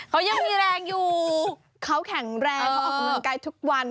เขายังมีแรงอยู่เขาแข็งแรงเขาออกกำลังกายทุกวัน